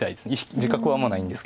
自覚はあんまりないんですけど。